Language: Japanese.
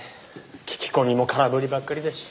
聞き込みも空振りばっかりだし。